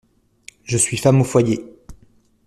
Je suis femme au foyer.